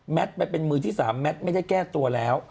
ไปเป็นมือที่๓แมทไม่ได้แก้ตัวแล้ว